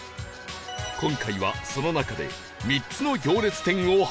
今回はその中で３つの行列店を発見